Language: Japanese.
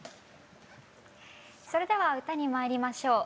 それでは歌にまいりましょう。